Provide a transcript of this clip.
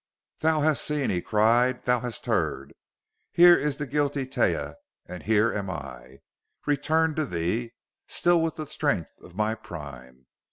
"Thou hast seen!" he cried. "Thou hast heard! Here is the guilty Taia and here am I, returned to thee, still with the strength of my prime!